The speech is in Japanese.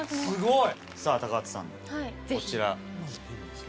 すっごい。